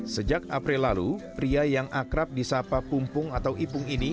sejak april lalu pria yang akrab di sapa pumpung atau ipung ini